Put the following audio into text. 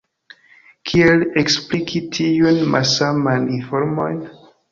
Kiel ekspliki tiujn malsamajn informojn?